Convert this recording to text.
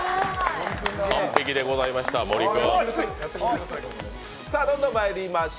完璧でございました、森君。